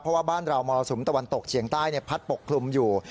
เพราะว่าบ้านเรามรสุมตะวันตกเฉียงใต้พัดปกคลุมอยู่